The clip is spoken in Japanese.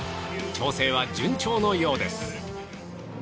調整は順調のようです。